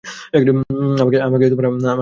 আমাকে আমার কার্ড দিয়ে এসেছিলেন, তাই না?